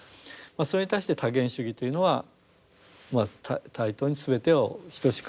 それに対して多元主義というのは対等にすべてを等しく認めていくと。